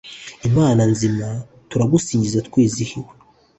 imana nzima turagusingiza, twizihiwe